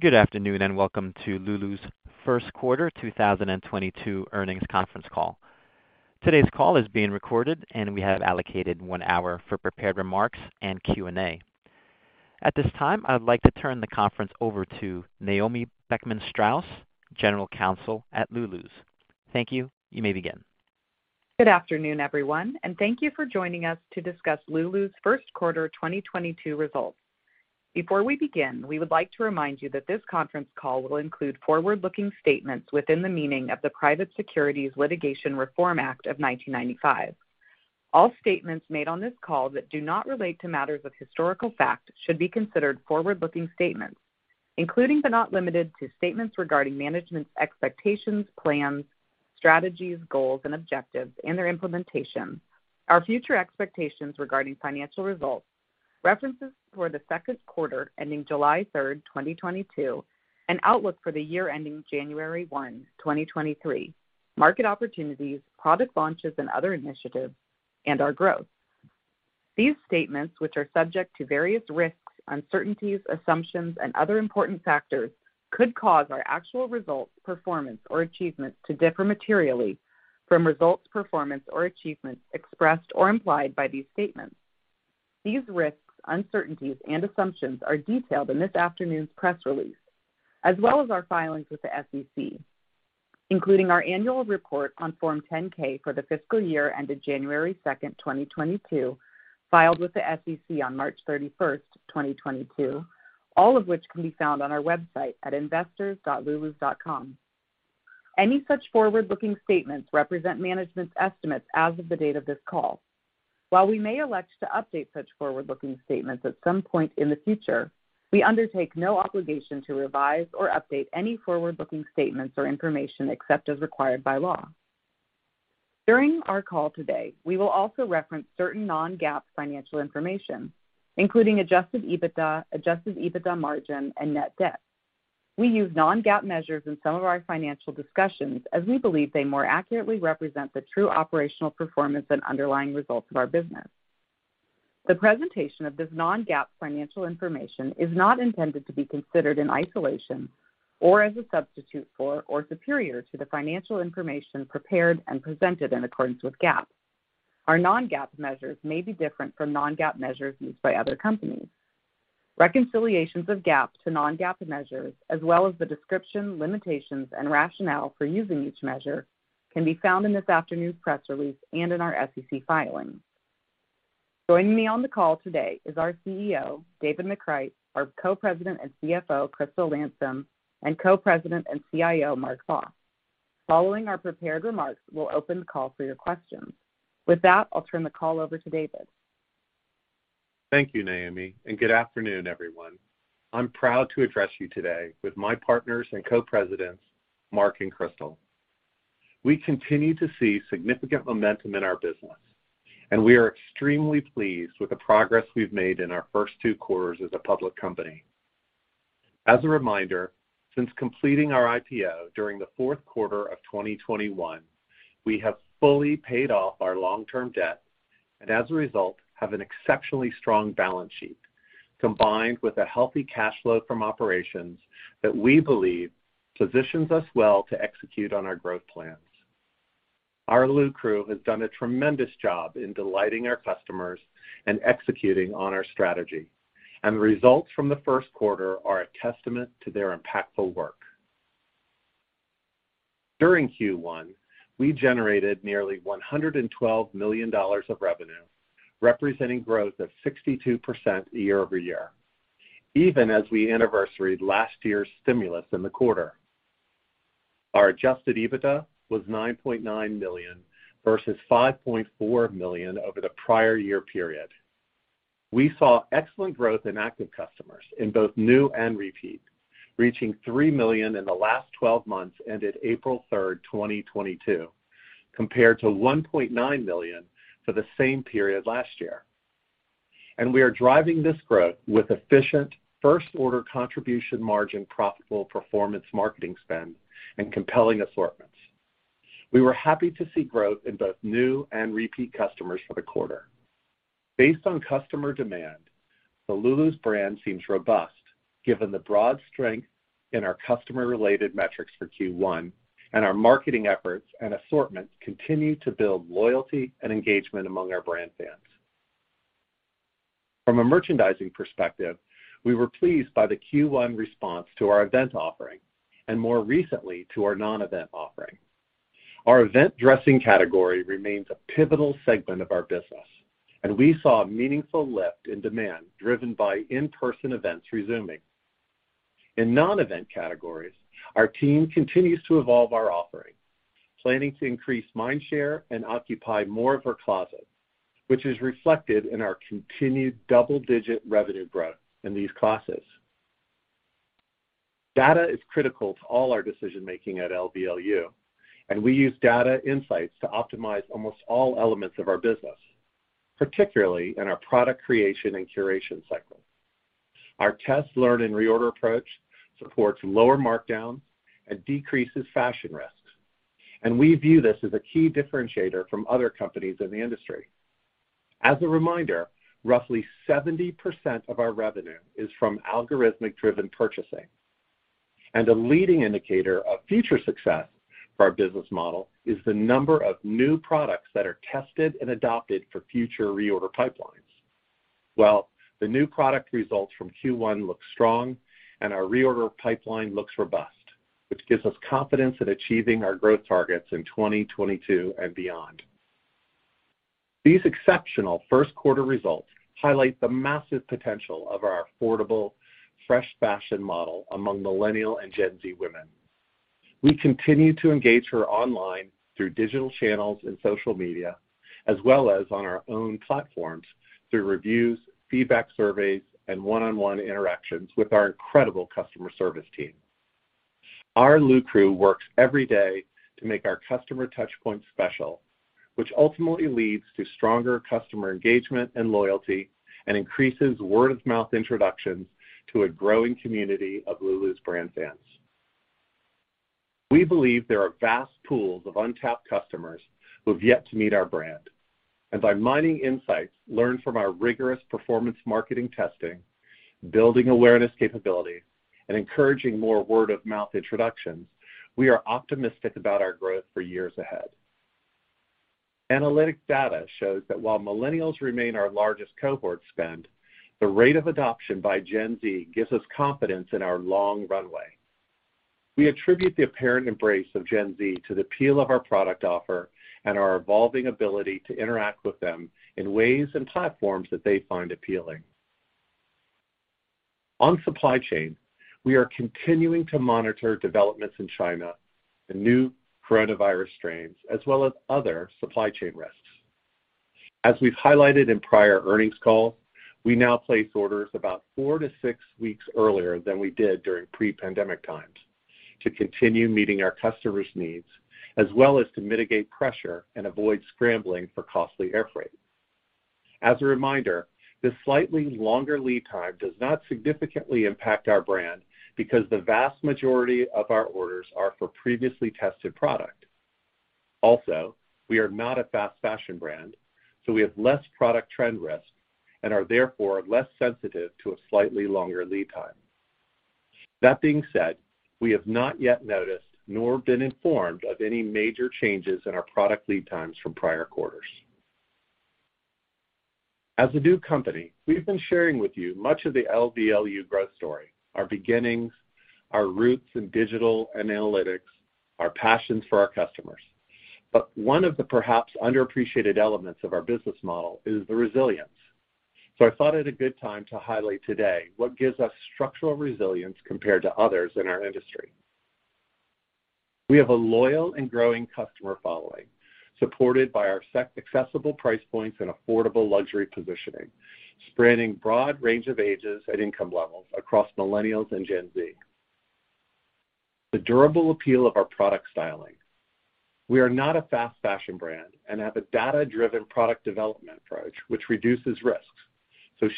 Good afternoon, and welcome to Lulus first quarter 2022 earnings conference call. Today's call is being recorded, and we have allocated 1 hour for prepared remarks and Q&A. At this time, I would like to turn the conference over to Naomi Beckman-Straus, General Counsel at Lulus. Thank you. You may begin. Good afternoon, everyone, and thank you for joining us to discuss Lulus first quarter 2022 results. Before we begin, we would like to remind you that this conference call will include forward-looking statements within the meaning of the Private Securities Litigation Reform Act of 1995. All statements made on this call that do not relate to matters of historical fact should be considered forward-looking statements, including but not limited to statements regarding management's expectations, plans, strategies, goals and objectives and their implementation. Our future expectations regarding financial results, references to the second quarter ending July 3rd, 2022, and outlook for the year ending January 1, 2023. Market opportunities, product launches and other initiatives, and our growth. These statements, which are subject to various risks, uncertainties, assumptions, and other important factors, could cause our actual results, performance or achievements to differ materially from results, performance or achievements expressed or implied by these statements. These risks, uncertainties and assumptions are detailed in this afternoon's press release, as well as our filings with the SEC, including our annual report on Form 10-K for the fiscal year ended January 2nd, 2022, filed with the SEC on March 31st, 2022, all of which can be found on our website at investors.lulus.com. Any such forward-looking statements represent management's estimates as of the date of this call. While we may elect to update such forward-looking statements at some point in the future, we undertake no obligation to revise or update any forward-looking statements or information except as required by law. During our call today, we will also reference certain non-GAAP financial information, including Adjusted EBITDA, Adjusted EBITDA margin, and net debt. We use non-GAAP measures in some of our financial discussions as we believe they more accurately represent the true operational performance and underlying results of our business. The presentation of this non-GAAP financial information is not intended to be considered in isolation or as a substitute for, or superior to the financial information prepared and presented in accordance with GAAP. Our non-GAAP measures may be different from non-GAAP measures used by other companies. Reconciliations of GAAP to non-GAAP measures, as well as the description, limitations, and rationale for using each measure can be found in this afternoon's press release and in our SEC filings. Joining me on the call today is our CEO, David McCreight, our Co-President and CFO, Crystal Landsem, and Co-President and CIO, Mark Vos. Following our prepared remarks, we'll open the call for your questions. With that, I'll turn the call over to David. Thank you, Naomi, and good afternoon, everyone. I'm proud to address you today with my partners and co-presidents, Mark and Crystal. We continue to see significant momentum in our business, and we are extremely pleased with the progress we've made in our first 2 quarters as a public company. As a reminder, since completing our IPO during the fourth quarter of 2021, we have fully paid off our long-term debt and, as a result, have an exceptionally strong balance sheet combined with a healthy cash flow from operations that we believe positions us well to execute on our growth plans. Our LuCrew has done a tremendous job in delighting our customers and executing on our strategy, and the results from the first quarter are a testament to their impactful work. During Q1, we generated nearly $112 million of revenue, representing growth of 62% year-over-year, even as we anniversaried last year's stimulus in the quarter. Our Adjusted EBITDA was $9.9 million versus $5.4 million over the prior year period. We saw excellent growth in active customers in both new and repeat, reaching 3 million in the last 12 months, ended April 3rd, 2022, compared to 1.9 million for the same period last year. We are driving this growth with efficient first order contribution margin, profitable performance marketing spend, and compelling assortments. We were happy to see growth in both new and repeat customers for the quarter. Based on customer demand, the Lulus brand seems robust given the broad strength in our customer-related metrics for Q1, and our marketing efforts and assortments continue to build loyalty and engagement among our brand fans. From a merchandising perspective, we were pleased by the Q1 response to our event offering and more recently to our non-event offering. Our event dressing category remains a pivotal segment of our business, and we saw a meaningful lift in demand driven by in-person events resuming. In non-event categories, our team continues to evolve our offering, planning to increase mind share and occupy more of our closet, which is reflected in our continued double-digit revenue growth in these classes. Data is critical to all our decision-making at LBLU, and we use data insights to optimize almost all elements of our business, particularly in our product creation and curation cycle. Our test learn and reorder approach supports lower markdowns and decreases fashion risks, and we view this as a key differentiator from other companies in the industry. As a reminder, roughly 70% of our revenue is from algorithmic-driven purchasing. A leading indicator of future success for our business model is the number of new products that are tested and adopted for future reorder pipelines. Well, the new product results from Q1 look strong, and our reorder pipeline looks robust, which gives us confidence in achieving our growth targets in 2022 and beyond. These exceptional first quarter results highlight the massive potential of our affordable, fresh fashion model among millennial and Gen Z women. We continue to engage her online through digital channels and social media, as well as on our own platforms through reviews, feedback surveys, and one-on-one interactions with our incredible customer service team. Our LuCrew works every day to make our customer touchpoint special, which ultimately leads to stronger customer engagement and loyalty and increases word-of-mouth introductions to a growing community of Lulus' brand fans. We believe there are vast pools of untapped customers who have yet to meet our brand. By mining insights, learn from our rigorous performance marketing testing, building awareness capability, and encouraging more word-of-mouth introductions, we are optimistic about our growth for years ahead. Analytic data shows that while Millennials remain our largest cohort spend, the rate of adoption by Gen Z gives us confidence in our long runway. We attribute the apparent embrace of Gen Z to the appeal of our product offer and our evolving ability to interact with them in ways and platforms that they find appealing. On supply chain, we are continuing to monitor developments in China, the new coronavirus strains, as well as other supply chain risks. As we've highlighted in prior earnings call, we now place orders about 4-6 weeks earlier than we did during pre-pandemic times to continue meeting our customers' needs, as well as to mitigate pressure and avoid scrambling for costly air freight. As a reminder, this slightly longer lead time does not significantly impact our brand because the vast majority of our orders are for previously tested product. Also, we are not a fast fashion brand, so we have less product trend risk and are therefore less sensitive to a slightly longer lead time. That being said, we have not yet noticed nor been informed of any major changes in our product lead times from prior quarters. As a new company, we've been sharing with you much of the Lulus growth story, our beginnings, our roots in digital and analytics, our passions for our customers. One of the perhaps underappreciated elements of our business model is the resilience. I thought it a good time to highlight today what gives us structural resilience compared to others in our industry. We have a loyal and growing customer following, supported by our accessible price points and affordable luxury positioning, spanning broad range of ages and income levels across Millennials and Gen Z. The durable appeal of our product styling. We are not a fast fashion brand and have a data-driven product development approach which reduces risks.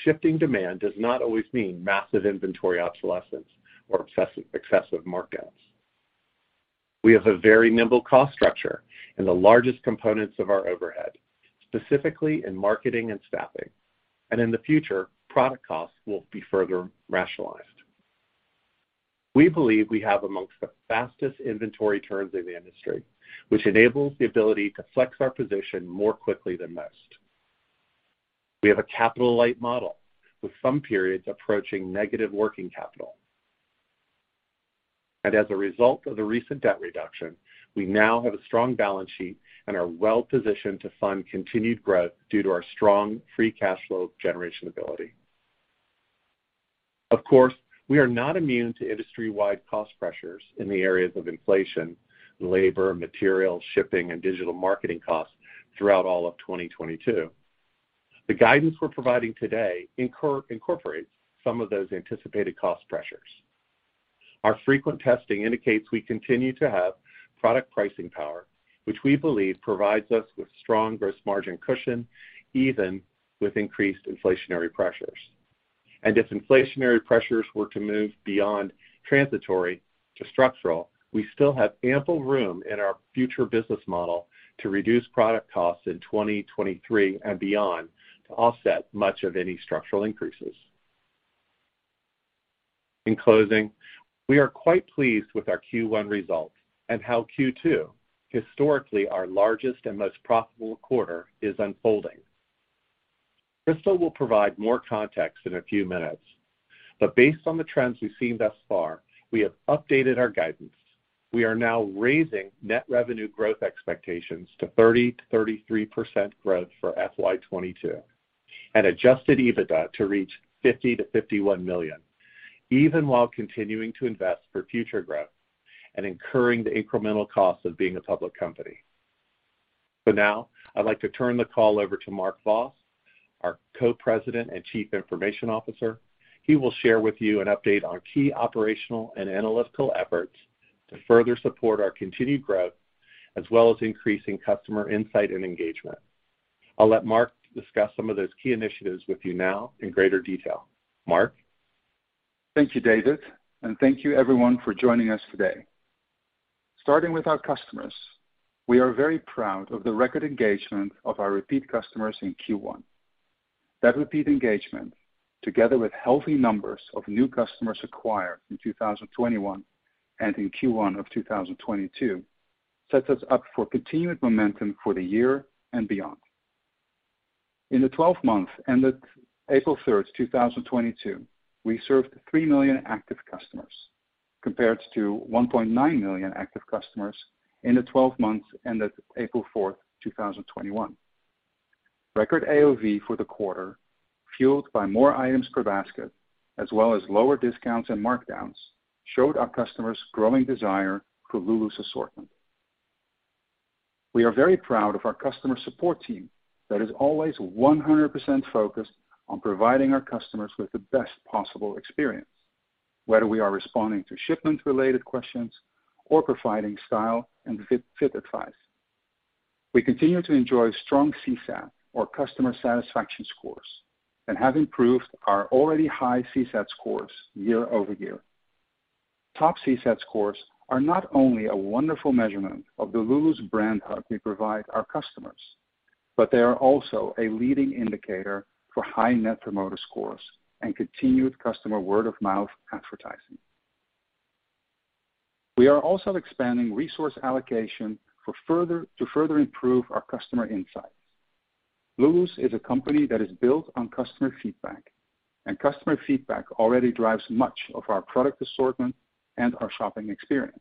Shifting demand does not always mean massive inventory obsolescence or excessive markdowns. We have a very nimble cost structure in the largest components of our overhead, specifically in marketing and staffing, and in the future, product costs will be further rationalized. We believe we have among the fastest inventory turns in the industry, which enables the ability to flex our position more quickly than most. We have a capital-light model with some periods approaching negative working capital. As a result of the recent debt reduction, we now have a strong balance sheet and are well-positioned to fund continued growth due to our strong free cash flow generation ability. Of course, we are not immune to industry-wide cost pressures in the areas of inflation, labor, materials, shipping, and digital marketing costs throughout all of 2022. The guidance we're providing today incorporates some of those anticipated cost pressures. Our frequent testing indicates we continue to have product pricing power, which we believe provides us with strong gross margin cushion, even with increased inflationary pressures. If inflationary pressures were to move beyond transitory to structural, we still have ample room in our future business model to reduce product costs in 2023 and beyond to offset much of any structural increases. In closing, we are quite pleased with our Q1 results and how Q2, historically our largest and most profitable quarter, is unfolding. Crystal will provide more context in a few minutes. Based on the trends we've seen thus far, we have updated our guidance. We are now raising net revenue growth expectations to 30%-33% growth for FY 2022, and Adjusted EBITDA to reach $50 million-$51 million, even while continuing to invest for future growth and incurring the incremental cost of being a public company. Now I'd like to turn the call over to Mark Vos, our Co-President and Chief Information Officer. He will share with you an update on key operational and analytical efforts to further support our continued growth, as well as increasing customer insight and engagement. I'll let Mark discuss some of those key initiatives with you now in greater detail. Mark? Thank you, David, and thank you everyone for joining us today. Starting with our customers, we are very proud of the record engagement of our repeat customers in Q1. That repeat engagement, together with healthy numbers of new customers acquired in 2021 and in Q1 of 2022, sets us up for continued momentum for the year and beyond. In the 12 months ended April 3rd, 2022, we served 3 million active customers compared to 1.9 million active customers in the 12 months ended April 4, 2021. Record AOV for the quarter, fueled by more items per basket, as well as lower discounts and markdowns, showed our customers growing desire for Lulus assortment. We are very proud of our customer support team that is always 100% focused on providing our customers with the best possible experience, whether we are responding to shipment-related questions or providing style and fit advice. We continue to enjoy strong CSAT or customer satisfaction scores and have improved our already high CSAT scores year-over-year. Top CSAT scores are not only a wonderful measurement of the Lulus brand love we provide our customers, but they are also a leading indicator for high net promoter scores and continued customer word-of-mouth advertising. We are also expanding resource allocation to further improve our customer insights. Lulus is a company that is built on customer feedback, and customer feedback already drives much of our product assortment and our shopping experience.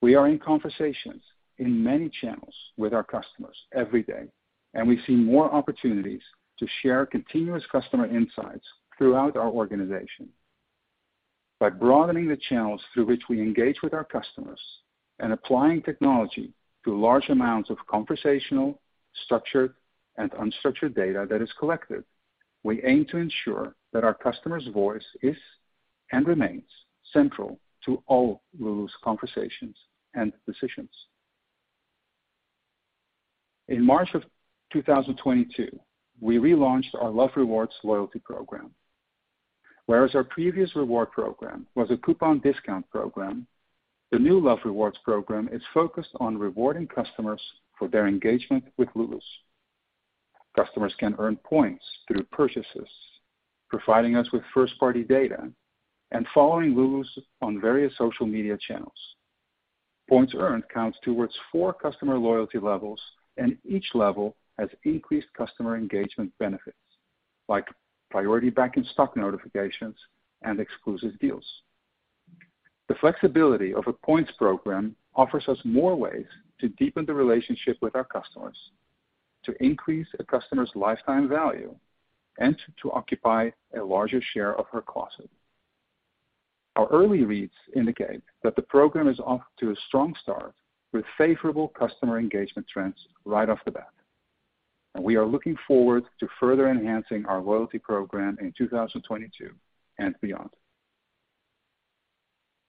We are in conversations in many channels with our customers every day, and we see more opportunities to share continuous customer insights throughout our organization. By broadening the channels through which we engage with our customers and applying technology to large amounts of conversational, structured, and unstructured data that is collected, we aim to ensure that our customer's voice is and remains central to all Lulus conversations and decisions. In March of 2022, we relaunched our Love Rewards loyalty program. Whereas our previous reward program was a coupon discount program, the new Love Rewards program is focused on rewarding customers for their engagement with Lulus. Customers can earn points through purchases, providing us with first-party data, and following Lulus on various social media channels. Points earned counts towards four customer loyalty levels, and each level has increased customer engagement benefits like priority back in stock notifications and exclusive deals. The flexibility of a points program offers us more ways to deepen the relationship with our customers, to increase a customer's lifetime value, and to occupy a larger share of her closet. Our early reads indicate that the program is off to a strong start with favorable customer engagement trends right off the bat, and we are looking forward to further enhancing our loyalty program in 2022 and beyond.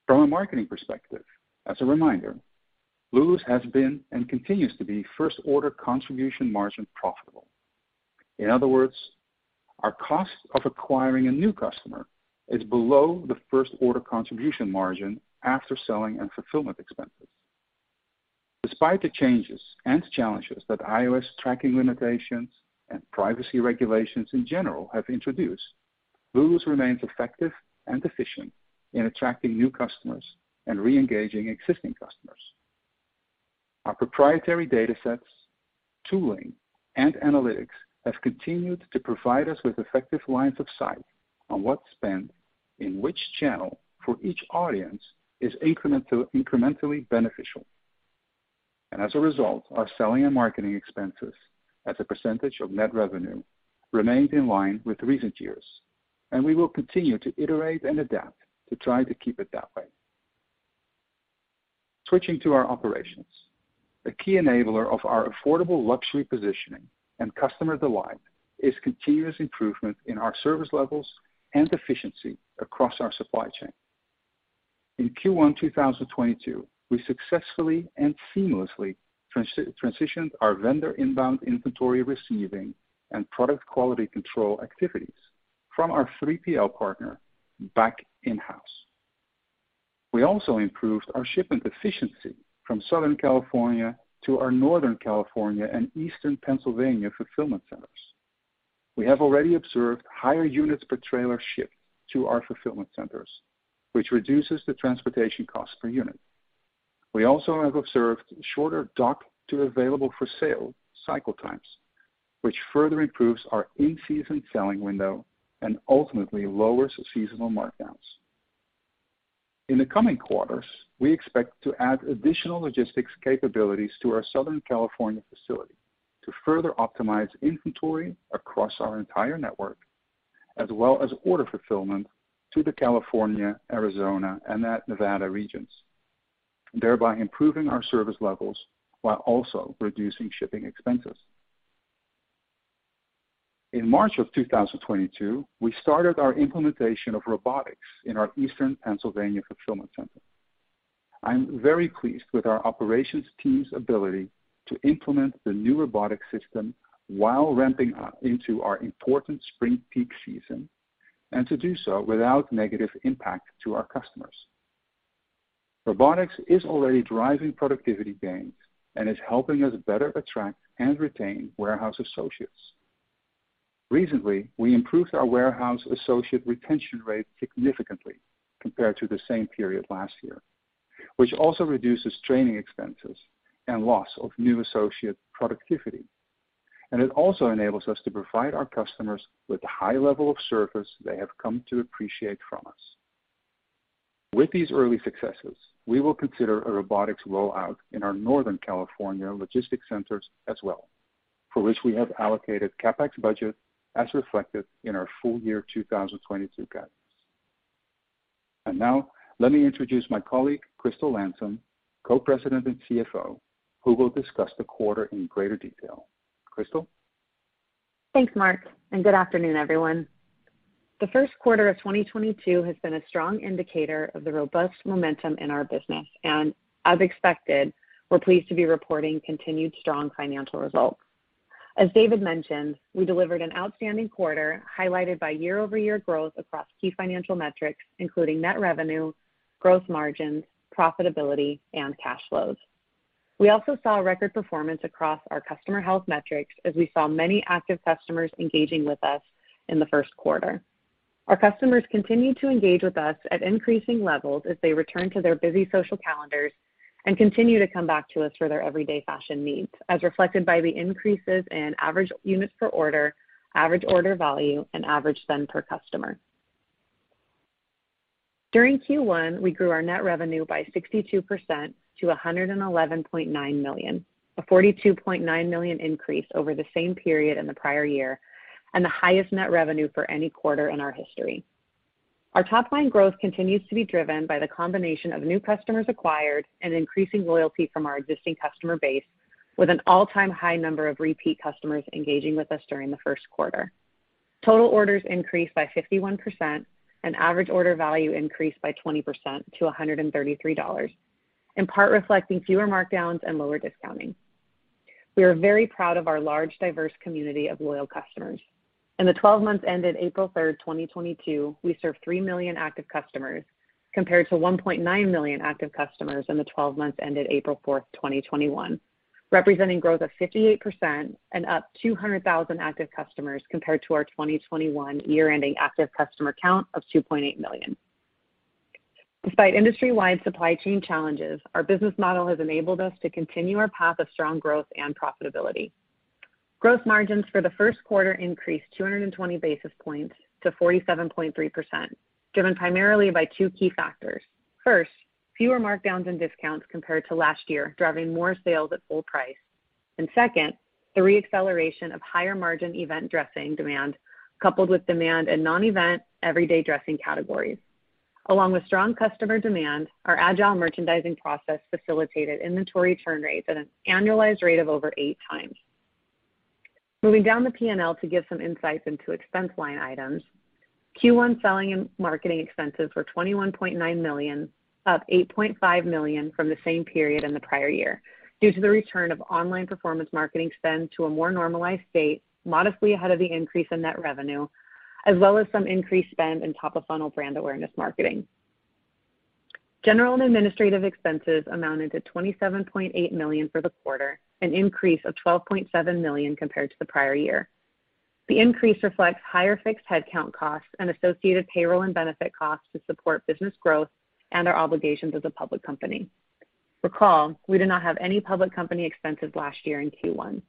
From a marketing perspective, as a reminder, Lulus has been and continues to be first order contribution margin profitable. In other words, our cost of acquiring a new customer is below the first order contribution margin after selling and fulfillment expenses. Despite the changes and challenges that iOS tracking limitations and privacy regulations in general have introduced, Lulus remains effective and efficient in attracting new customers and re-engaging existing customers. Our proprietary datasets, tooling, and analytics have continued to provide us with effective lines of sight on what spend, in which channel for each audience is incrementally beneficial. As a result, our selling and marketing expenses as a percentage of net revenue remains in line with recent years, and we will continue to iterate and adapt to try to keep it that way. Switching to our operations. A key enabler of our affordable luxury positioning and customer delight is continuous improvement in our service levels and efficiency across our supply chain. In Q1, 2022, we successfully and seamlessly transitioned our vendor inbound inventory receiving and product quality control activities from our 3PL partner back in-house. We also improved our shipment efficiency from Southern California to our Northern California and Eastern Pennsylvania fulfillment centers. We have already observed higher units per trailer shipped to our fulfillment centers, which reduces the transportation cost per unit. We also have observed shorter dock to available for sale cycle times, which further improves our in-season selling window and ultimately lowers seasonal markdowns. In the coming quarters, we expect to add additional logistics capabilities to our Southern California facility to further optimize inventory across our entire network, as well as order fulfillment to the California, Arizona, and Nevada regions, thereby improving our service levels while also reducing shipping expenses. In March of 2022, we started our implementation of robotics in our Eastern Pennsylvania fulfillment center. I'm very pleased with our operations team's ability to implement the new robotic system while ramping up into our important spring peak season. To do so without negative impact to our customers. Robotics is already driving productivity gains and is helping us better attract and retain warehouse associates. Recently, we improved our warehouse associate retention rate significantly compared to the same period last year, which also reduces training expenses and loss of new associate productivity, and it also enables us to provide our customers with the high level of service they have come to appreciate from us. With these early successes, we will consider a robotics rollout in our Northern California logistics centers as well, for which we have allocated CapEx budget as reflected in our full year 2022 guidance. Now let me introduce my colleague, Crystal Landsem, Co-President and CFO, who will discuss the quarter in greater detail. Crystal? Thanks, Mark, and good afternoon, everyone. The first quarter of 2022 has been a strong indicator of the robust momentum in our business. As expected, we're pleased to be reporting continued strong financial results. As David mentioned, we delivered an outstanding quarter, highlighted by year-over-year growth across key financial metrics, including net revenue, growth margins, profitability, and cash flows. We also saw a record performance across our customer health metrics as we saw many active customers engaging with us in the first quarter. Our customers continue to engage with us at increasing levels as they return to their busy social calendars and continue to come back to us for their everyday fashion needs, as reflected by the increases in average units per order, average order value, and average spend per customer. During Q1, we grew our net revenue by 62% to $111.9 million, a $42.9 million increase over the same period in the prior year, and the highest net revenue for any quarter in our history. Our top line growth continues to be driven by the combination of new customers acquired and increasing loyalty from our existing customer base, with an all-time high number of repeat customers engaging with us during the first quarter. Total orders increased by 51%, and average order value increased by 20% to $133, in part reflecting fewer markdowns and lower discounting. We are very proud of our large, diverse community of loyal customers. In the twelve months ended April 3rd, 2022, we served 3 million active customers, compared to 1.9 million active customers in the twelve months ended April 4th, 2021, representing growth of 58% and up 200,000 active customers compared to our 2021 year-ending active customer count of 2.8 million. Despite industry-wide supply chain challenges, our business model has enabled us to continue our path of strong growth and profitability. Gross margins for the first quarter increased 220 basis points to 47.3%, driven primarily by two key factors. First, fewer markdowns and discounts compared to last year, driving more sales at full price. Second, the re-acceleration of higher margin event dressing demand, coupled with demand in non-event everyday dressing categories. Along with strong customer demand, our agile merchandising process facilitated inventory turn rates at an annualized rate of over 8x. Moving down the P&L to give some insights into expense line items. Q1 selling and marketing expenses were $21.9 million, up $8.5 million from the same period in the prior year due to the return of online performance marketing spend to a more normalized state, modestly ahead of the increase in net revenue, as well as some increased spend in top of funnel brand awareness marketing. General and administrative expenses amounted to $27.8 million for the quarter, an increase of $12.7 million compared to the prior year. The increase reflects higher fixed headcount costs and associated payroll and benefit costs to support business growth and our obligations as a public company. Recall, we did not have any public company expenses last year in Q1.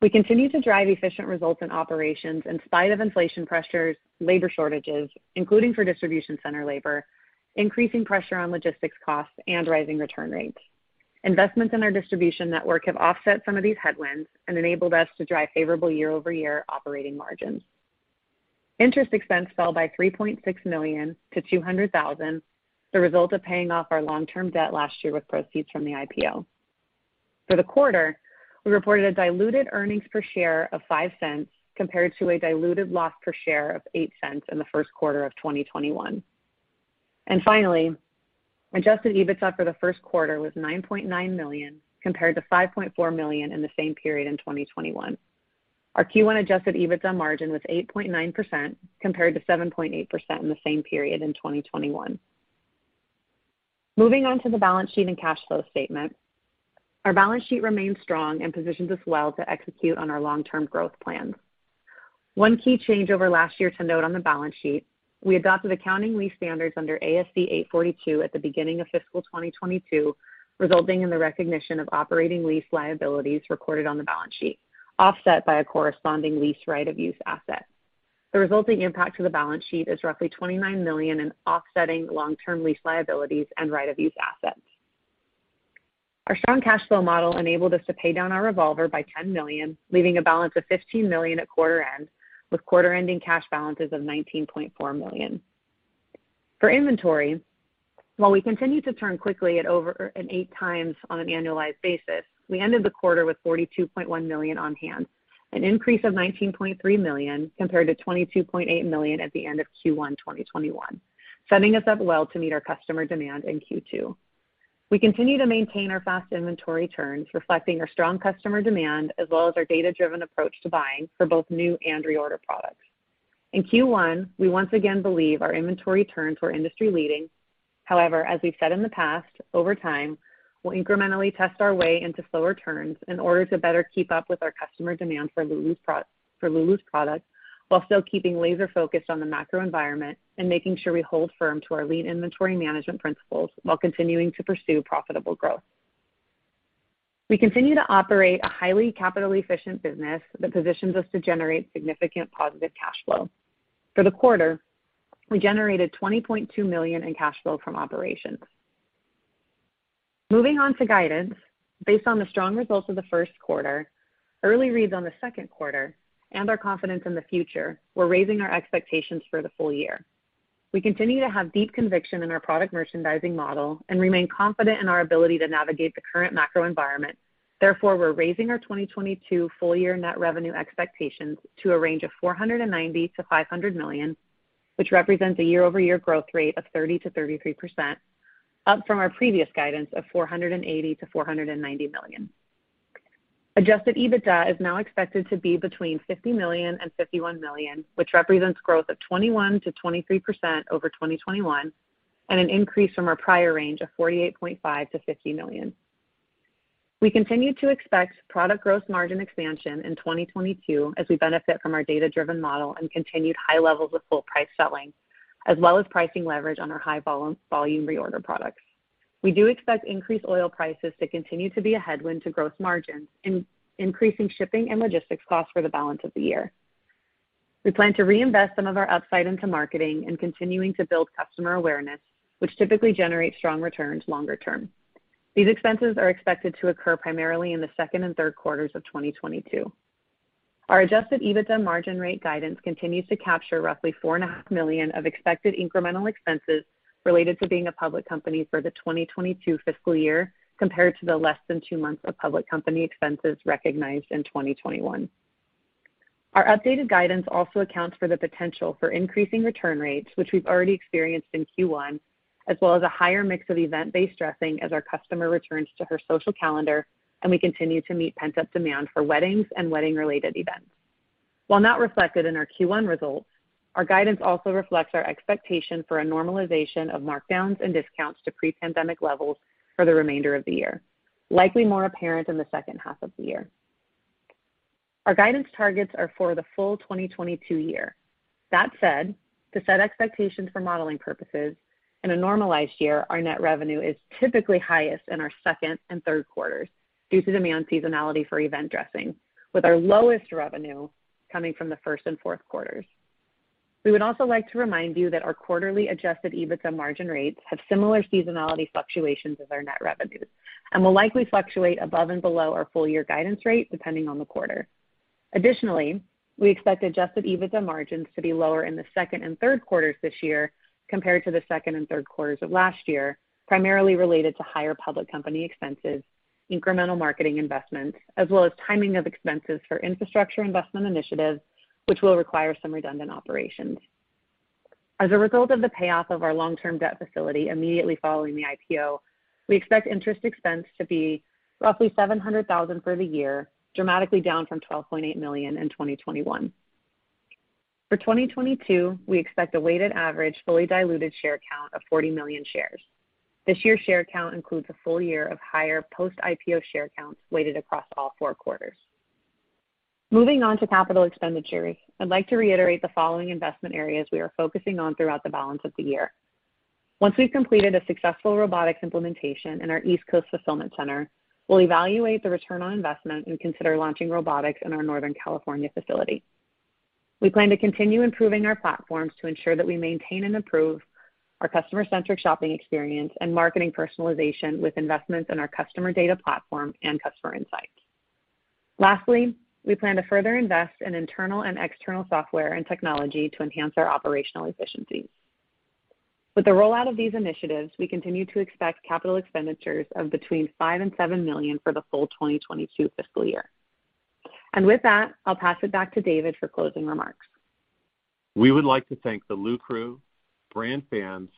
We continue to drive efficient results in operations in spite of inflation pressures, labor shortages, including for distribution center labor, increasing pressure on logistics costs, and rising return rates. Investments in our distribution network have offset some of these headwinds and enabled us to drive favorable year-over-year operating margins. Interest expense fell by $3.6 million to $200,000, the result of paying off our long-term debt last year with proceeds from the IPO. For the quarter, we reported a diluted earnings per share of $0.05 compared to a diluted loss per share of $0.08 in the first quarter of 2021. Finally, Adjusted EBITDA for the first quarter was $9.9 million, compared to $5.4 million in the same period in 2021. Our Q1 Adjusted EBITDA margin was 8.9%, compared to 7.8% in the same period in 2021. Moving on to the balance sheet and cash flow statement. Our balance sheet remains strong and positions us well to execute on our long-term growth plans. One key change over last year to note on the balance sheet, we adopted accounting lease standards under ASC 842 at the beginning of fiscal 2022, resulting in the recognition of operating lease liabilities recorded on the balance sheet, offset by a corresponding lease right of use asset. The resulting impact to the balance sheet is roughly $29 million in offsetting long-term lease liabilities and right of use assets. Our strong cash flow model enabled us to pay down our revolver by $10 million, leaving a balance of $15 million at quarter end, with quarter ending cash balances of $19.4 million. For inventory, while we continue to turn quickly at over 8x on an annualized basis, we ended the quarter with $42.1 million on hand, an increase of $19.3 million compared to $22.8 million at the end of Q1 2021, setting us up well to meet our customer demand in Q2. We continue to maintain our fast inventory turns, reflecting our strong customer demand as well as our data-driven approach to buying for both new and reorder products. In Q1, we once again believe our inventory turns were industry leading. However, as we've said in the past, over time, we'll incrementally test our way into slower turns in order to better keep up with our customer demand for Lulus products while still keeping laser-focused on the macro environment and making sure we hold firm to our lean inventory management principles while continuing to pursue profitable growth. We continue to operate a highly capital-efficient business that positions us to generate significant positive cash flow. For the quarter, we generated $20.2 million in cash flow from operations. Moving on to guidance. Based on the strong results of the first quarter, early reads on the second quarter, and our confidence in the future, we're raising our expectations for the full year. We continue to have deep conviction in our product merchandising model and remain confident in our ability to navigate the current macro environment. Therefore, we're raising our 2022 full year net revenue expectations to a range of $490 million-$500 million, which represents a year-over-year growth rate of 30%-33%, up from our previous guidance of $480 million-$490 million. Adjusted EBITDA is now expected to be between $50 million and $51 million, which represents growth of 21%-23% over 2021, and an increase from our prior range of $48.5 million-$50 million. We continue to expect product gross margin expansion in 2022 as we benefit from our data-driven model and continued high levels of full price selling, as well as pricing leverage on our high volume reorder products. We do expect increased oil prices to continue to be a headwind to gross margins, increasing shipping and logistics costs for the balance of the year. We plan to reinvest some of our upside into marketing and continuing to build customer awareness, which typically generates strong returns longer term. These expenses are expected to occur primarily in the second and third quarters of 2022. Our Adjusted EBITDA margin rate guidance continues to capture roughly $4.5 million of expected incremental expenses related to being a public company for the 2022 fiscal year compared to the less than 2 months of public company expenses recognized in 2021. Our updated guidance also accounts for the potential for increasing return rates, which we've already experienced in Q1, as well as a higher mix of event-based dressing as our customer returns to her social calendar, and we continue to meet pent-up demand for weddings and wedding-related events. While not reflected in our Q1 results, our guidance also reflects our expectation for a normalization of markdowns and discounts to pre-pandemic levels for the remainder of the year, likely more apparent in the second half of the year. Our guidance targets are for the full 2022 year. That said, to set expectations for modeling purposes, in a normalized year, our net revenue is typically highest in our second and third quarters due to demand seasonality for event dressing, with our lowest revenue coming from the first and fourth quarters. We would also like to remind you that our quarterly Adjusted EBITDA margin rates have similar seasonality fluctuations as our net revenues and will likely fluctuate above and below our full year guidance rate depending on the quarter. Additionally, we expect Adjusted EBITDA margins to be lower in the second and third quarters this year compared to the second and third quarters of last year, primarily related to higher public company expenses, incremental marketing investments, as well as timing of expenses for infrastructure investment initiatives, which will require some redundant operations. As a result of the payoff of our long-term debt facility immediately following the IPO, we expect interest expense to be roughly $700,000 for the year, dramatically down from $12.8 million in 2021. For 2022, we expect a weighted average fully diluted share count of 40 million shares. This year's share count includes a full year of higher post-IPO share counts weighted across all four quarters. Moving on to capital expenditures. I'd like to reiterate the following investment areas we are focusing on throughout the balance of the year. Once we've completed a successful robotics implementation in our East Coast fulfillment center, we'll evaluate the return on investment and consider launching robotics in our Northern California facility. We plan to continue improving our platforms to ensure that we maintain and improve our customer-centric shopping experience and marketing personalization with investments in our customer data platform and customer insights. Lastly, we plan to further invest in internal and external software and technology to enhance our operational efficiencies. With the rollout of these initiatives, we continue to expect capital expenditures of between $5 million and $7 million for the full 2022 fiscal year. With that, I'll pass it back to David for closing remarks. We would like to thank the LuCrew, brand fans,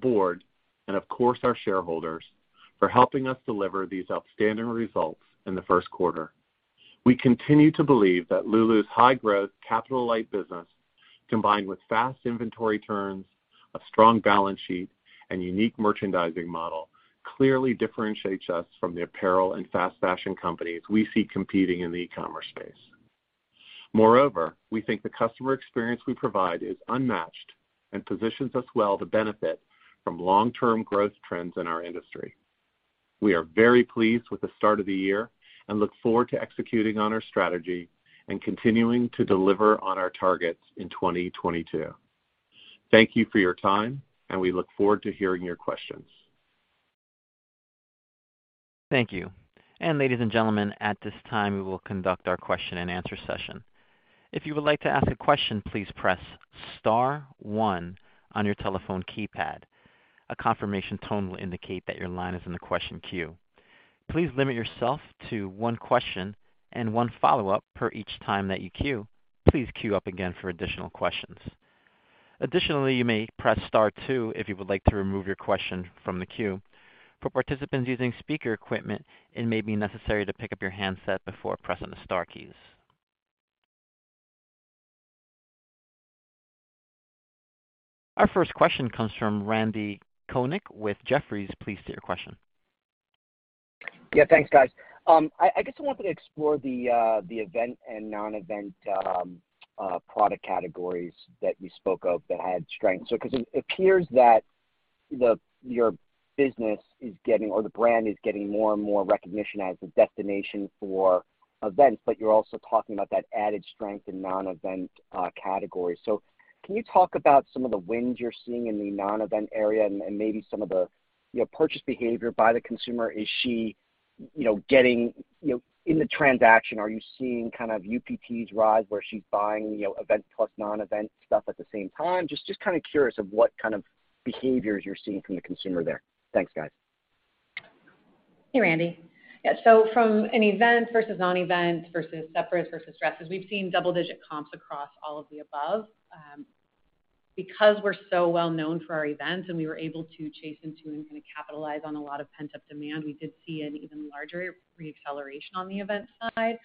board, and of course, our shareholders for helping us deliver these outstanding results in the first quarter. We continue to believe that Lulus high growth, capital light business, combined with fast inventory turns, a strong balance sheet, and unique merchandising model, clearly differentiates us from the apparel and fast fashion companies we see competing in the e-commerce space. Moreover, we think the customer experience we provide is unmatched and positions us well to benefit from long-term growth trends in our industry. We are very pleased with the start of the year and look forward to executing on our strategy and continuing to deliver on our targets in 2022. Thank you for your time, and we look forward to hearing your questions. Thank you. Ladies and gentlemen, at this time, we will conduct our question and answer session. If you would like to ask a question, please press star one on your telephone keypad. A confirmation tone will indicate that your line is in the question queue. Please limit yourself to one question and one follow-up per each time that you queue. Please queue up again for additional questions. Additionally, you may press star two if you would like to remove your question from the queue. For participants using speaker equipment, it may be necessary to pick up your handset before pressing the star keys. Our first question comes from Randy Konik with Jefferies. Please state your question. Yeah. Thanks, guys. I guess I wanted to explore the event and non-event product categories that you spoke of that had strength. Because it appears that your business is getting or the brand is getting more and more recognition as a destination for events, but you're also talking about that added strength in non-event categories. Can you talk about some of the wins you're seeing in the non-event area and maybe some of the, you know, purchase behavior by the consumer? Is she, you know, getting, you know, in the transaction, are you seeing kind of UPTs rise where she's buying, you know, event plus non-event stuff at the same time? Just kind of curious of what kind of behaviors you're seeing from the consumer there. Thanks, guys. Hey, Randy. Yeah. From an event versus non-event versus separates versus dresses, we've seen double-digit comps across all of the above. Because we're so well known for our events and we were able to chase into and kinda capitalize on a lot of pent-up demand, we did see an even larger re-acceleration on the event side.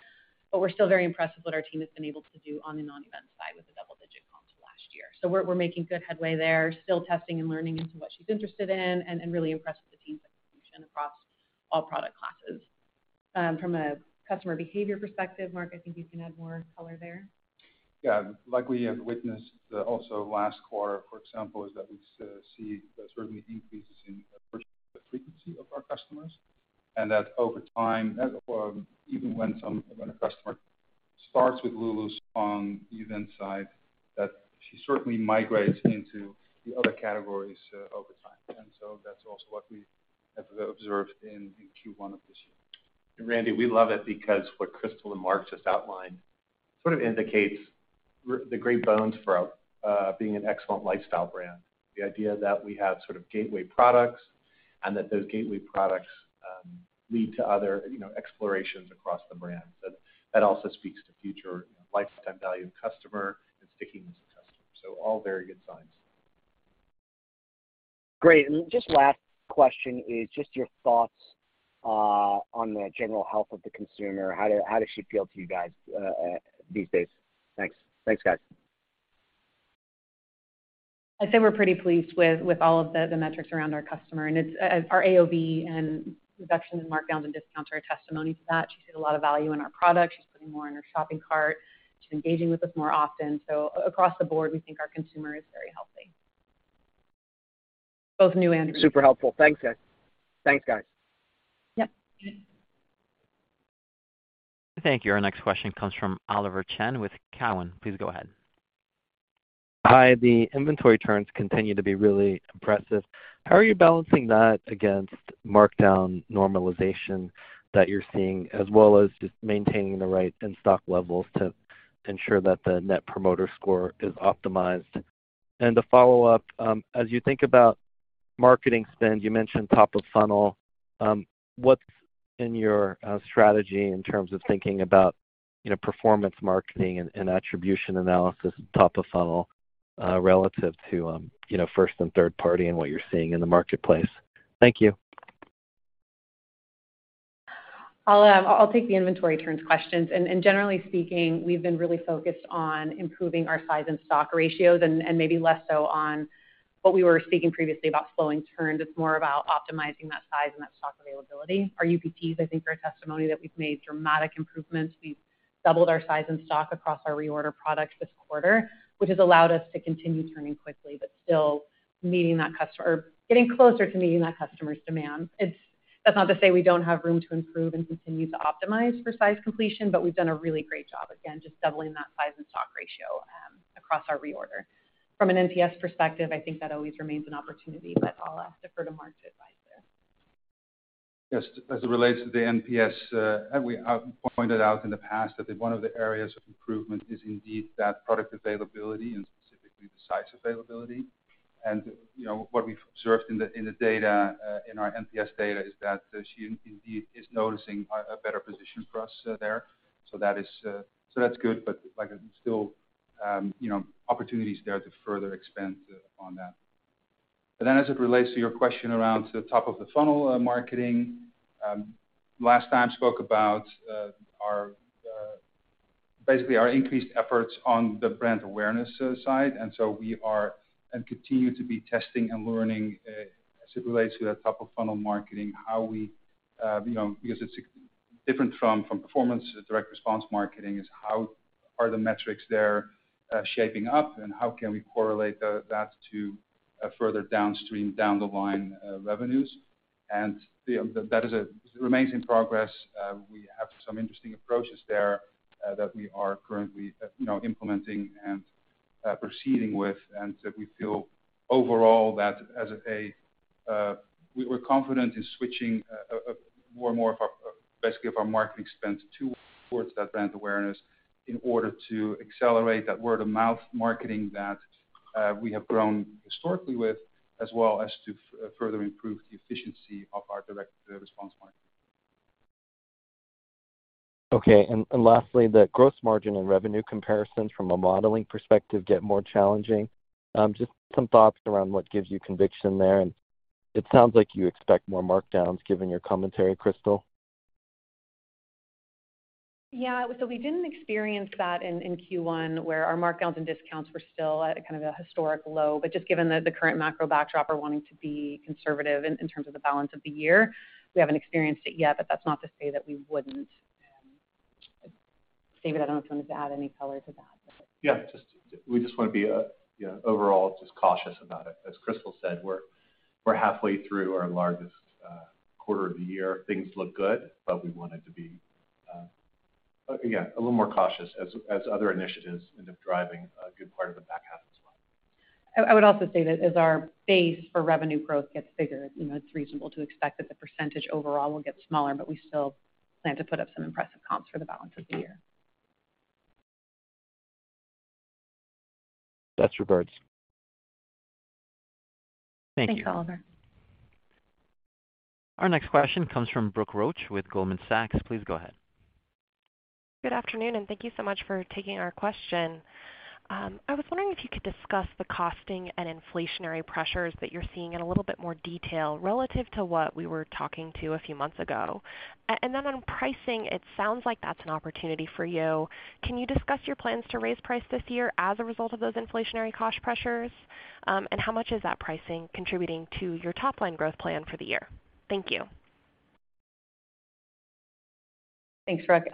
We're still very impressed with what our team has been able to do on the non-event side with the double-digit comps last year. We're making good headway there, still testing and learning into what she's interested in and really impressed with the team's execution across all product classes. From a customer behavior perspective, Mark, I think you can add more color there. Yeah. Like we have witnessed also last quarter, for example, is that we see certain increases in the frequency of our customers. That over time, even when a customer starts with Lulus on the event side, that she certainly migrates into the other categories, over time. That's also what we have observed in Q1 of this year. Randy, we love it because what Crystal and Mark just outlined sort of indicates the great bones for being an excellent lifestyle brand. The idea that we have sort of gateway products and that those gateway products lead to other, you know, explorations across the brands. That also speaks to future, you know, lifetime value customer and stickiness of customer. All very good signs. Great. Just last question is just your thoughts on the general health of the consumer. How does she feel to you guys these days? Thanks, guys. I'd say we're pretty pleased with all of the metrics around our customer. It's our AOV and reduction in markdown and discounts are a testimony to that. She sees a lot of value in our products. She's putting more in her shopping cart. She's engaging with us more often. Across the board, we think our consumer is very healthy. Both new and Super helpful. Thanks, guys. Yep. Thank you. Our next question comes from Oliver Chen with Cowen. Please go ahead. Hi. The inventory turns continue to be really impressive. How are you balancing that against markdown normalization that you're seeing, as well as just maintaining the right in-stock levels to ensure that the Net Promoter Score is optimized? To follow up, as you think about marketing spend, you mentioned top of funnel. What's in your strategy in terms of thinking about, you know, performance marketing and attribution analysis top of funnel, relative to, you know, first and third party and what you're seeing in the marketplace? Thank you. I'll take the inventory turns questions. Generally speaking, we've been really focused on improving our size and stock ratios and maybe less so on what we were speaking previously about slowing turns. It's more about optimizing that size and that stock availability. Our UPTs, I think, are a testimony that we've made dramatic improvements. We've doubled our size in stock across our reorder products this quarter, which has allowed us to continue turning quickly but still meeting that customer, or getting closer to meeting that customer's demand. That's not to say we don't have room to improve and continue to optimize for size completion, but we've done a really great job, again, just doubling that size and stock ratio across our reorder. From an NPS perspective, I think that always remains an opportunity. I'll defer to Mark to advise there. Yes. As it relates to the NPS, we pointed out in the past that one of the areas of improvement is indeed that product availability and specifically the size availability. You know, what we've observed in the data in our NPS data is that she indeed is noticing a better position for us there. That's good. Like, still, you know, opportunities there to further expand on that. As it relates to your question around the top of the funnel marketing, last time spoke about basically our increased efforts on the brand awareness side. We are and continue to be testing and learning as it relates to that top of funnel marketing, how we you know because it's different from performance direct response marketing is how are the metrics there shaping up and how can we correlate that to further downstream down the line revenues. That remains in progress. We have some interesting approaches there that we are currently you know implementing and proceeding with, and we feel overall that as of a we were confident in switching more and more of our basically of our marketing spend to towards that brand awareness in order to accelerate that word-of-mouth marketing that we have grown historically with as well as to further improve the efficiency of our direct response marketing. Lastly, the gross margin and revenue comparisons from a modeling perspective get more challenging. Just some thoughts around what gives you conviction there. It sounds like you expect more markdowns given your commentary, Crystal. Yeah. We didn't experience that in Q1 where our markdowns and discounts were still at a kind of a historic low. Just given the current macro backdrop, we're wanting to be conservative in terms of the balance of the year. We haven't experienced it yet, but that's not to say that we wouldn't. David, I don't know if you wanted to add any color to that, but. Yeah. Just, we just wanna be, you know, overall, just cautious about it. As Crystal said, we're halfway through our largest quarter of the year. Things look good, but we wanted to be, again, a little more cautious as other initiatives end up driving a good part of the back half as well. I would also say that as our base for revenue growth gets bigger, you know, it's reasonable to expect that the percentage overall will get smaller, but we still plan to put up some impressive comps for the balance of the year. Best regards. Thank you. Thanks, Oliver. Our next question comes from Brooke Roach with Goldman Sachs. Please go ahead. Good afternoon, and thank you so much for taking our question. I was wondering if you could discuss the costing and inflationary pressures that you're seeing in a little bit more detail relative to what we were talking about a few months ago. On pricing, it sounds like that's an opportunity for you. Can you discuss your plans to raise price this year as a result of those inflationary cost pressures? How much is that pricing contributing to your top line growth plan for the year? Thank you. Thanks, Brooke.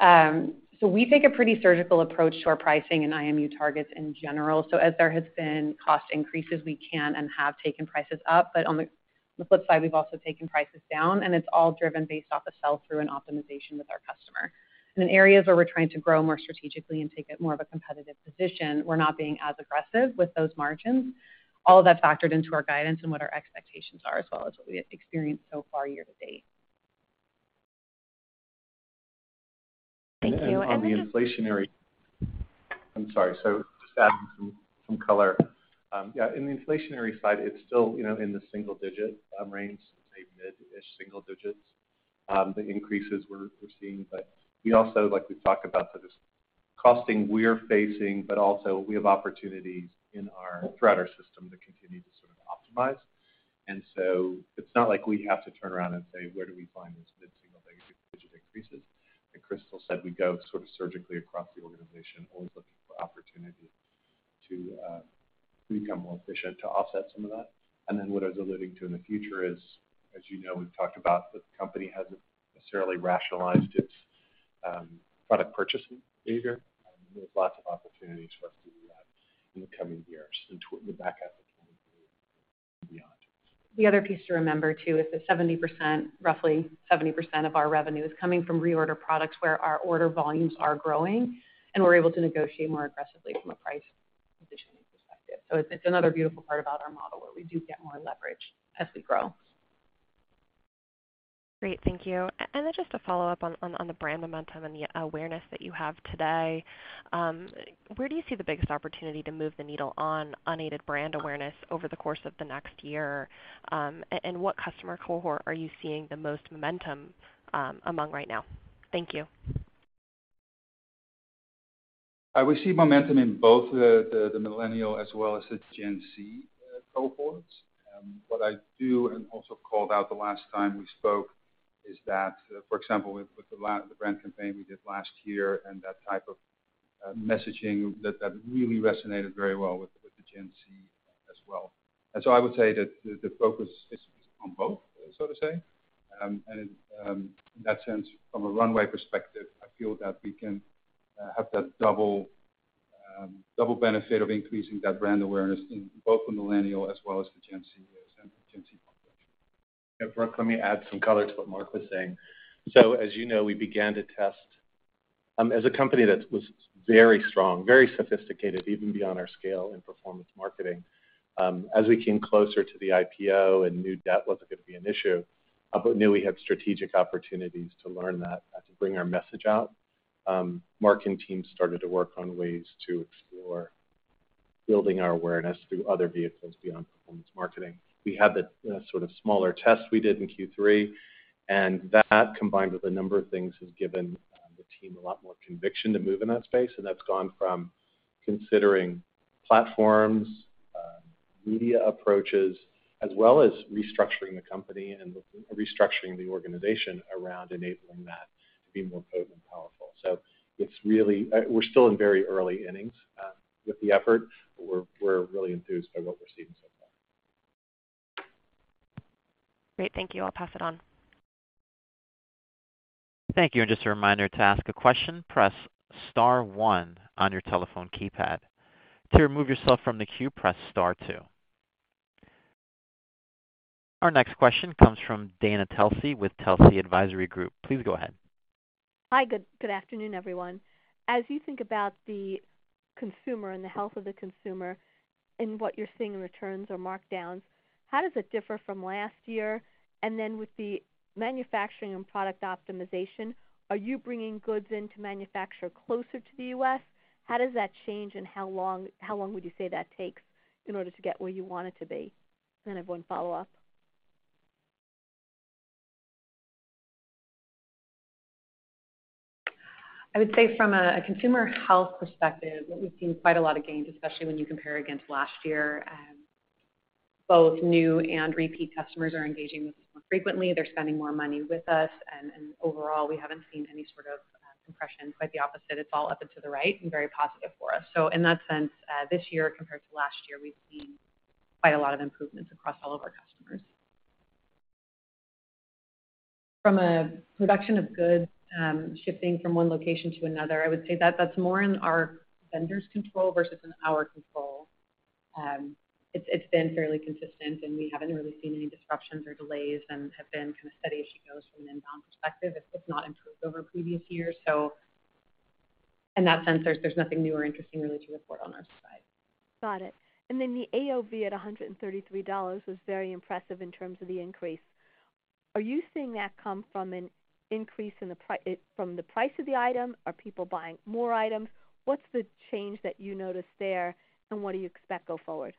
We take a pretty surgical approach to our pricing and IMU targets in general. As there has been cost increases, we can and have taken prices up, but on the flip side, we've also taken prices down, and it's all driven based off of sell-through and optimization with our customer. In areas where we're trying to grow more strategically and take it more of a competitive position, we're not being as aggressive with those margins. All of that factored into our guidance and what our expectations are, as well as what we experienced so far year-to date. Thank you. Just adding some color. Yeah, in the inflationary side, it's still, you know, in the single digit range, say mid-ish single digits, the increases we're seeing. But we also like to talk about the costs we're facing, but also we have opportunities throughout our system to continue to sort of optimize. It's not like we have to turn around and say, "Where do we find these mid-single digit increases?" Like Crystal said, we go sort of surgically across the organization, always looking for opportunity to become more efficient to offset some of that. What I was alluding to in the future is, as you know, we've talked about the company hasn't necessarily rationalized its product purchasing behavior. There's lots of opportunities for us to do that in the coming years and the back half of 2023 and beyond. The other piece to remember, too, is that 70%, roughly 70% of our revenue is coming from reorder products where our order volumes are growing and we're able to negotiate more aggressively from a price positioning perspective. It's another beautiful part about our model where we do get more leverage as we grow. Great. Thank you. Just to follow up on the brand momentum and the awareness that you have today, where do you see the biggest opportunity to move the needle on unaided brand awareness over the course of the next year? What customer cohort are you seeing the most momentum among right now? Thank you. We see momentum in both the millennial as well as the Gen Z cohorts. What I do and also called out the last time we spoke is that, for example, with the brand campaign we did last year and that type of messaging, that really resonated very well with the Gen Z as well. I would say that the focus is on both, so to say. In that sense, from a runway perspective, I feel that we can have that double benefit of increasing that brand awareness in both the millennial as well as the Gen Zers and the Gen Z population. Yeah. Brooke, let me add some color to what Mark was saying. As you know, we began to test, as a company that was very strong, very sophisticated, even beyond our scale in performance marketing. As we came closer to the IPO and new debt wasn't gonna be an issue, but knew we had strategic opportunities to learn that, to bring our message out, Mark and team started to work on ways to explore building our awareness through other vehicles beyond performance marketing. We had the sort of smaller tests we did in Q3, and that combined with a number of things, has given the team a lot more conviction to move in that space. That's gone from considering platforms, media approaches, as well as restructuring the company and restructuring the organization around enabling that to be more potent and powerful. We're still in very early innings with the effort, but we're really enthused by what we're seeing so far. Great. Thank you. I'll pass it on. Thank you. Just a reminder, to ask a question, press star one on your telephone keypad. To remove yourself from the queue, press star two. Our next question comes from Dana Telsey with Telsey Advisory Group. Please go ahead. Hi. Good afternoon, everyone. As you think about the consumer and the health of the consumer and what you're seeing in returns or markdowns, how does it differ from last year? With the manufacturing and product optimization, are you bringing goods in to manufacture closer to the U.S.? How does that change, and how long would you say that takes in order to get where you want it to be? I have one follow-up. I would say from a consumer health perspective, we've seen quite a lot of gains, especially when you compare against last year. Both new and repeat customers are engaging with us more frequently. They're spending more money with us, and overall, we haven't seen any sort of compression. Quite the opposite. It's all up and to the right and very positive for us. In that sense, this year compared to last year, we've seen quite a lot of improvements across all of our customers. From a production of goods, shifting from one location to another, I would say that that's more in our vendors' control versus in our control. It's been fairly consistent, and we haven't really seen any disruptions or delays and have been kinda steady as she goes from an inbound perspective, if not improved over previous years. In that sense, there's nothing new or interesting really to report on our side. Got it. The AOV at $133 was very impressive in terms of the increase. Are you seeing that come from an increase in the price of the item? Are people buying more items? What's the change that you notice there, and what do you expect go forward?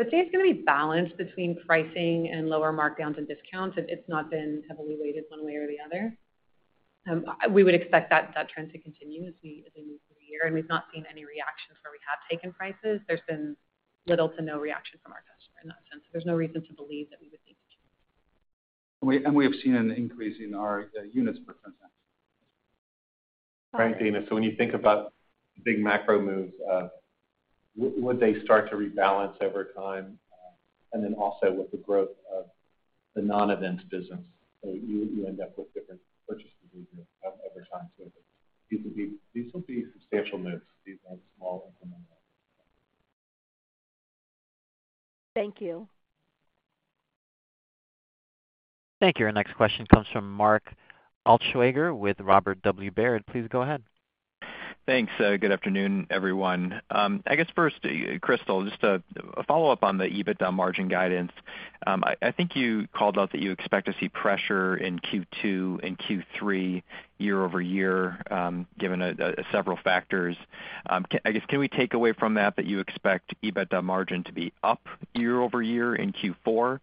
I'd say it's gonna be balanced between pricing and lower markdowns and discounts. It's not been heavily weighted one way or the other. We would expect that trend to continue as we move through the year, and we've not seen any reactions where we have taken prices. There's been little to no reaction from our customer in that sense. There's no reason to believe that we would need to change. We have seen an increase in our units per transaction. Right, Dana. When you think about big macro moves, would they start to rebalance over time? Then also with the growth of the non-event business, so you end up with different purchase behavior over time too. These will be substantial moves, these small incremental. Thank you. Thank you. Our next question comes from Mark Altschwager with Robert W. Baird. Please go ahead. Thanks. Good afternoon, everyone. I guess first, Crystal, just a follow-up on the EBITDA margin guidance. I think you called out that you expect to see pressure in Q2 and Q3 year-over-year, given several factors. I guess can we take away from that you expect EBITDA margin to be up year-over-year in Q4?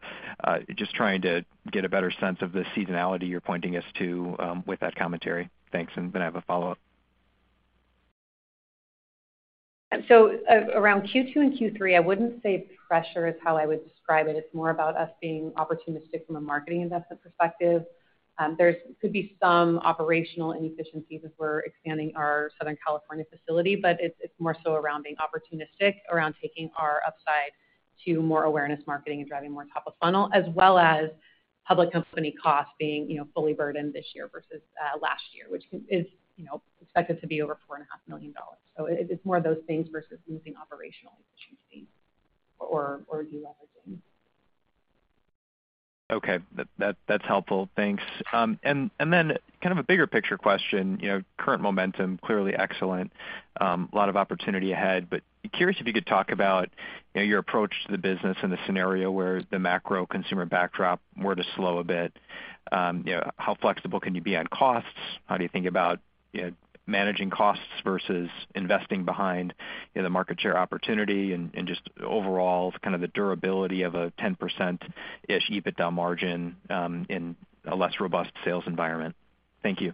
Just trying to get a better sense of the seasonality you're pointing us to, with that commentary. Thanks, and then I have a follow-up. Around Q2 and Q3, I wouldn't say pressure is how I would describe it. It's more about us being opportunistic from a marketing investment perspective. There could be some operational inefficiencies as we're expanding our Southern California facility, but it's more so around being opportunistic around taking our upside to more awareness marketing and driving more top of funnel, as well as public company costs being, you know, fully burdened this year versus last year, which is, you know, expected to be over $4.5 million. It's more of those things versus losing operational efficiency or deleveraging. Okay. That's helpful. Thanks. And then kind of a bigger picture question. You know, current momentum, clearly excellent. A lot of opportunity ahead, but curious if you could talk about, you know, your approach to the business in the scenario where the macro consumer backdrop were to slow a bit. You know, how flexible can you be on costs? How do you think about, you know, managing costs versus investing behind, you know, the market share opportunity and just overall kind of the durability of a 10%-ish EBITDA margin, in a less robust sales environment? Thank you.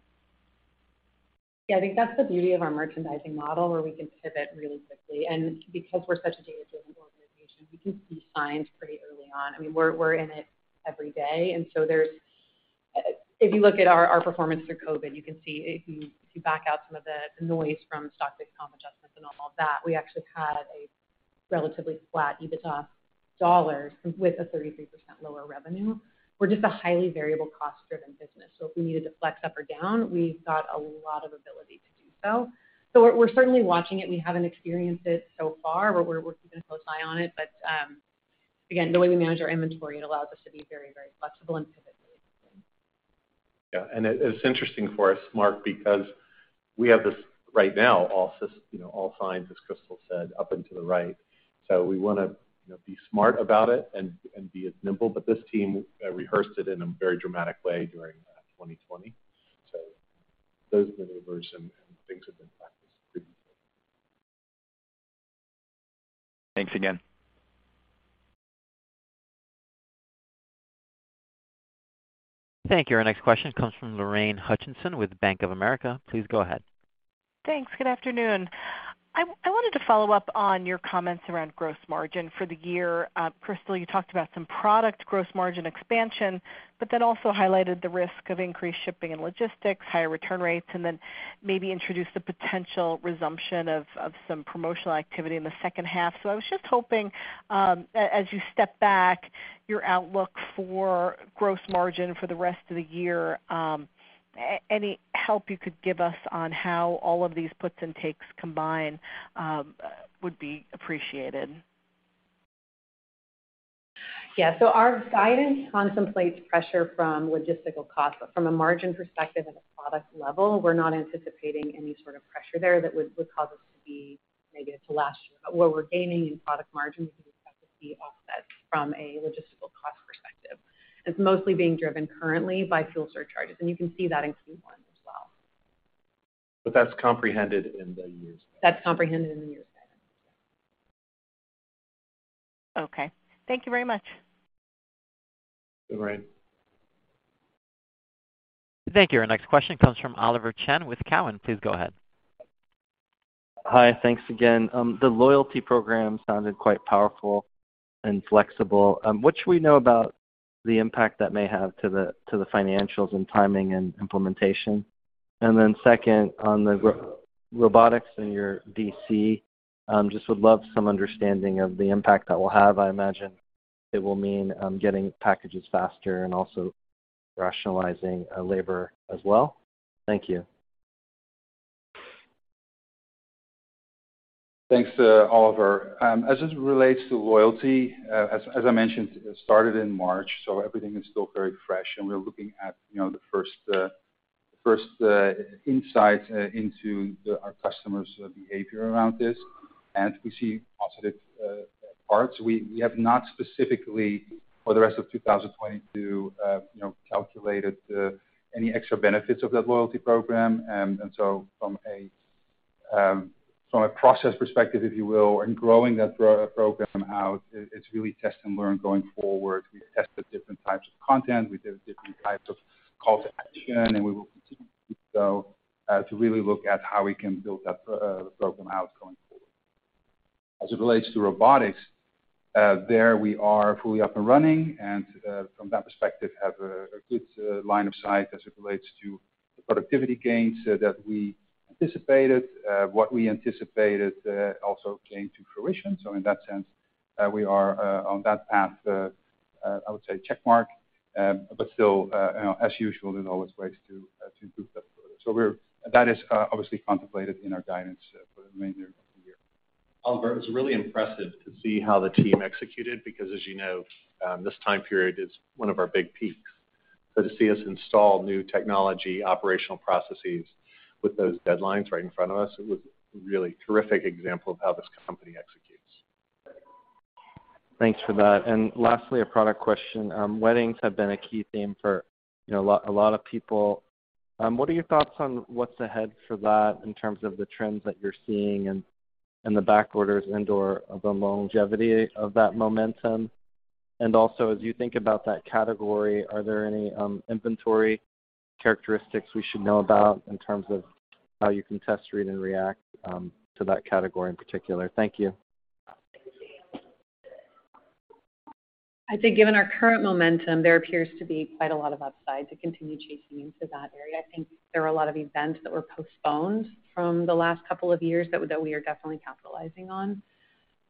Yeah. I think that's the beauty of our merchandising model, where we can pivot really quickly. Because we're such a data-driven organization, we can see signs pretty early on. I mean, we're in it every day, and so there's. If you look at our performance through COVID, you can see. If you back out some of the noise from stock-based comp adjustments and all of that, we actually had a relatively flat EBITDA dollars with 33% lower revenue. We're just a highly variable cost-driven business, so if we needed to flex up or down, we've got a lot of ability to do so. We're certainly watching it. We haven't experienced it so far. We're keeping a close eye on it, but again, the way we manage our inventory, it allows us to be very, very flexible and pivot really quickly. It's interesting for us, Mark, because we have this right now, all signs, you know, as Crystal said, up and to the right. We wanna, you know, be smart about it and be as nimble. This team rehearsed it in a very dramatic way during 2020. Those maneuvers and things have been practiced previously. Thanks again. Thank you. Our next question comes from Lorraine Hutchinson with Bank of America. Please go ahead. Thanks. Good afternoon. I wanted to follow up on your comments around gross margin for the year. Crystal, you talked about some product gross margin expansion, but then also highlighted the risk of increased shipping and logistics, higher return rates, and then maybe introduced the potential resumption of some promotional activity in the second half. I was just hoping, as you step back your outlook for gross margin for the rest of the year, any help you could give us on how all of these puts and takes combine, would be appreciated. Yeah. Our guidance contemplates pressure from logistical costs, but from a margin perspective at a product level, we're not anticipating any sort of pressure there that would cause us to be maybe to last year. What we're gaining in product margins, we expect to see offsets from a logistical cost perspective. It's mostly being driven currently by fuel surcharges, and you can see that in Q1. That's comprehended in the year's payment. That's comprehended in the year's payment, yeah. Okay. Thank you very much. All right. Thank you. Our next question comes from Oliver Chen with Cowen. Please go ahead. Hi. Thanks again. The loyalty program sounded quite powerful and flexible. What should we know about the impact that may have to the financials and timing and implementation? Second, on the robotics in your DC, just would love some understanding of the impact that will have. I imagine it will mean getting packages faster and also rationalizing labor as well. Thank you. Thanks, Oliver. As it relates to loyalty, as I mentioned, it started in March, so everything is still very fresh and we're looking at, you know, the first insight into our customers' behavior around this. We see positive parts. We have not specifically for the rest of 2022, you know, calculated any extra benefits of that loyalty program. From a process perspective, if you will, in growing that program out, it's really test and learn going forward. We've tested different types of content. We did different types of call to action, and we will continue to do so, to really look at how we can build that program out going forward. As it relates to robotics, there we are fully up and running and, from that perspective, have a good line of sight as it relates to the productivity gains that we anticipated. What we anticipated also came to fruition. In that sense, we are on that path, I would say check mark. Still, you know, as usual, there's always ways to grow that further. That is obviously contemplated in our guidance for the remainder of the year. Oliver, it's really impressive to see how the team executed because as you know, this time period is one of our big peaks. To see us install new technology, operational processes with those deadlines right in front of us, it was a really terrific example of how this company executes. Thanks for that. Lastly, a product question. Weddings have been a key theme for, you know, a lot of people. What are your thoughts on what's ahead for that in terms of the trends that you're seeing and the backorders and/or the longevity of that momentum? Also, as you think about that category, are there any inventory characteristics we should know about in terms of how you can test, read, and react to that category in particular? Thank you. I think given our current momentum, there appears to be quite a lot of upside to continue chasing into that area. I think there are a lot of events that were postponed from the last couple of years that we are definitely capitalizing on.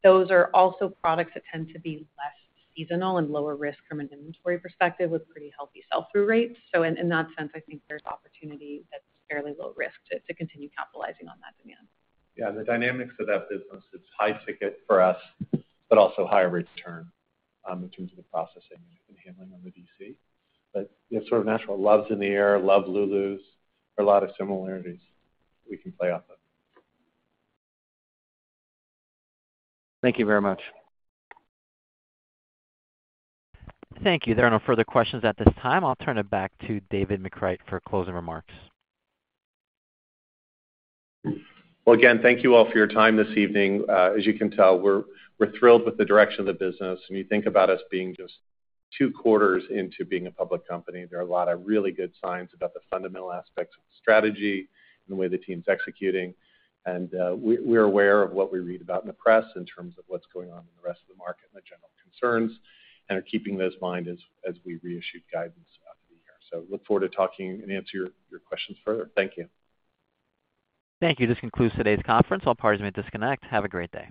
Those are also products that tend to be less seasonal and lower risk from an inventory perspective with pretty healthy sell-through rates. In that sense, I think there's opportunity that's fairly low risk to continue capitalizing on that demand. Yeah. The dynamics of that business, it's high ticket for us, but also higher return in terms of the processing and handling on the DC. You know, sort of natural, love's in the air, Love Lulus. There are a lot of similarities we can play off of. Thank you very much. Thank you. There are no further questions at this time. I'll turn it back to David McCreight for closing remarks. Well, again, thank you all for your time this evening. As you can tell, we're thrilled with the direction of the business. When you think about us being just two quarters into being a public company, there are a lot of really good signs about the fundamental aspects of the strategy and the way the team's executing. We're aware of what we read about in the press in terms of what's going on in the rest of the market and the general concerns, and are keeping those in mind as we reissue guidance for the year. Look forward to talking and answer your questions further. Thank you. Thank you. This concludes today's conference. All parties may disconnect. Have a great day.